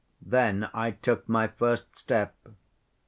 Then I took my first step.